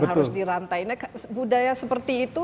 harus dirantai budaya seperti itu